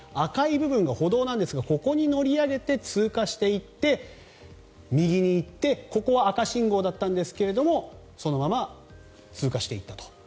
赤い部分が歩道なんですがここに乗り上げて通過していって右に行ってここは赤信号だったんですがそのまま通過していったと。